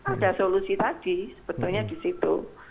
ada solusi tadi sebetulnya di situ